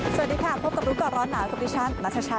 สวัสดีค่ะพบกับรู้ก่อนร้อนหนาวกับดิฉันนัทชา